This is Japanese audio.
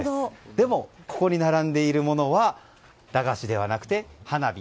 でも、ここに並んでいるものは駄菓子ではなく花火。